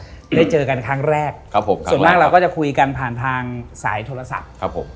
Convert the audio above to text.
เราได้เจอกันครั้งแรกส่วนมากเราก็จะคุยกันผ่านทางสายโทรศัพท์